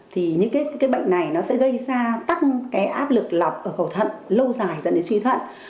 thì những cái bệnh này nó sẽ gây ra tăng cái áp lực lọc ở khẩu thận lâu dài dẫn đến suy thận